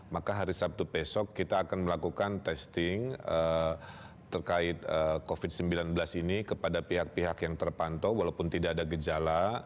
maka hari sabtu besok kita akan melakukan testing terkait covid sembilan belas ini kepada pihak pihak yang terpantau walaupun tidak ada gejala